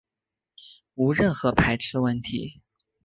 无任何排斥问题